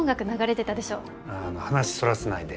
話そらさないで。